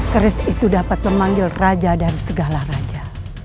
keris itu dapat memanggil raja dan segala raja